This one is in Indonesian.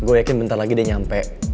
gue yakin bentar lagi dia nyampe